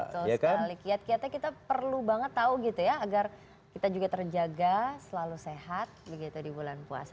betul sekali kiat kiatnya kita perlu banget tahu gitu ya agar kita juga terjaga selalu sehat begitu di bulan puasa